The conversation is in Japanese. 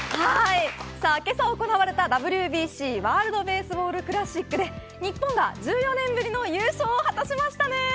けさ行われたＷＢＣワールド・ベースボール・クラシックで日本が１４年ぶりの優勝を果たしました。